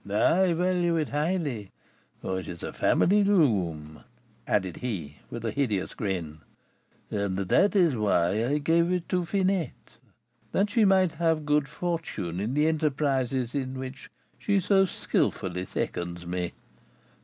I value it highly, for it is a family loom," added he, with a hideous grin; "and that's why I gave it to Finette, that she might have good fortune in the enterprises in which she so skilfully seconds me.